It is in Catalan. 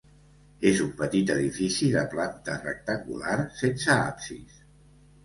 És un petit edifici de planta rectangular, sense absis.